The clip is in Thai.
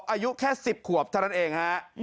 อายุแค่๑๐ขวบทั้งนั้นเอง